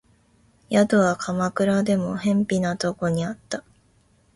宿は鎌倉でも辺鄙なところにあった